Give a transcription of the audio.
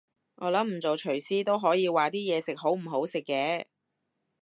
我諗唔做廚師都可以話啲嘢食好唔好食嘅